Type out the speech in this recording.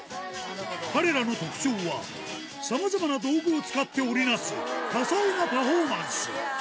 彼らの特徴は、さまざまな道具を使って織り成す多彩なパフォーマンス。